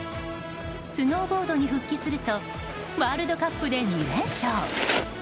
スノーボードに復帰するとワールドカップで２連勝。